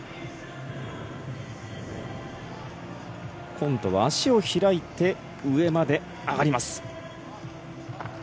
今度は足を開いて上まで上がります。